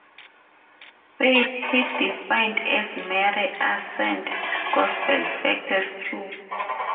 Faith he defined as mere assent to Gospel facts as true.